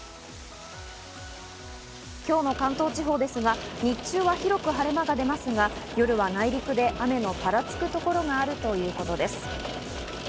今日の関東地方ですが、日中は広く晴れ間が出ますが、夜は内陸で雨のぱらつくところがあるということです。